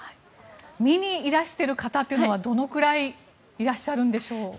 見にいらしている方というのはどのくらいいらっしゃるんでしょう。